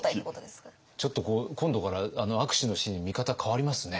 ちょっと今度からあの握手のシーンの見方変わりますね。